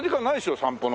『散歩』の。